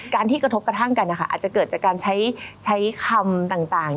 ที่กระทบกระทั่งกันนะคะอาจจะเกิดจากการใช้คำต่าง